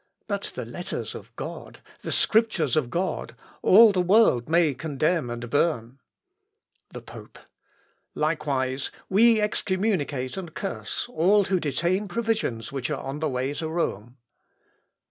_ "But the letters of God, the Scriptures of God, all the world may condemn and burn." The Pope. "Likewise we excommunicate and curse all who detain provisions which are on the way to Rome...."